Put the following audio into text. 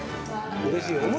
うれしい！